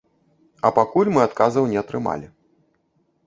А пакуль мы адказаў не атрымалі.